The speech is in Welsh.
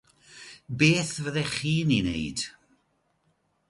Beth Fyddech Chi'n Ei Wneud?